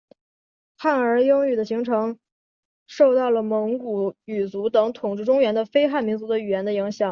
汉儿言语的形成受到了蒙古语族等统治中原的非汉民族的语言的影响。